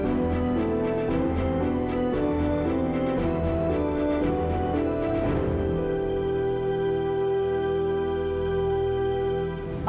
jangan lupa like subscribe subscribe